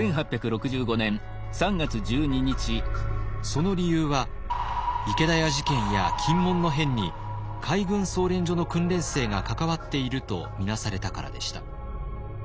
その理由は池田屋事件や禁門の変に海軍操練所の訓練生が関わっていると見なされたからでした。